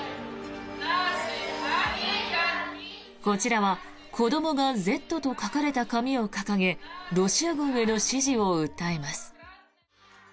こちらは子どもが「Ｚ」と書かれた紙を掲げロシア軍への支持を訴えます。